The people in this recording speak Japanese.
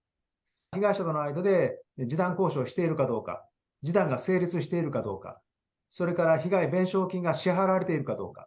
被害者との間で示談交渉しているかどうか、示談が成立しているかどうか、それから被害弁償金が支払われているかどうか。